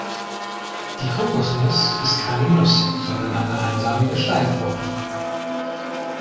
Die Kokosnuss ist keine Nuss, sondern eine einsamige Steinfrucht.